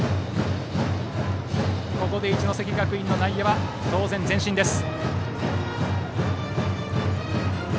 ここで一関学院の内野は当然、前進です。